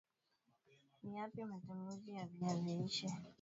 Ni Yapi matumizi ya Viazi lishe